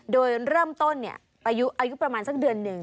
โดยเริ่มต้นอายุประมาณสักเดือนหนึ่ง